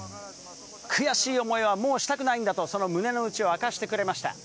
悔しい思いはもうしたくないんだと、その胸の内を明かしてくれました。